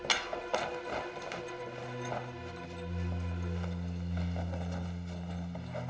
jumpat nahan diri ini tak udah